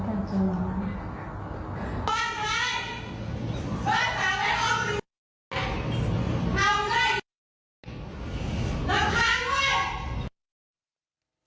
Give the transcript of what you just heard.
หนูใจเข้าบ้าน